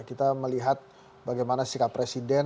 kita melihat bagaimana sikap presiden